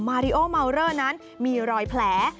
มาริโอมาวเรอร์นั้นมีรอยแผล